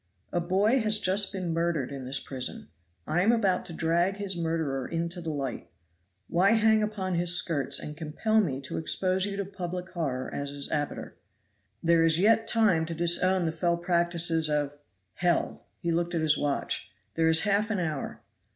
A boy has just been murdered in this prison. I am about to drag his murderer into the light; why hang upon his skirts and compel me to expose you to public horror as his abettor? There is yet time to disown the fell practices of hell!" He looked at his watch. "There is half an hour.